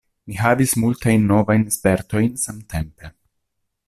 Mi havis multajn novajn spertojn samtempe.